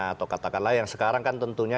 atau katakanlah yang sekarang kan tentunya